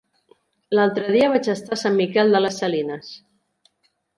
L'altre dia vaig estar a Sant Miquel de les Salines.